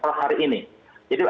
di mana tadi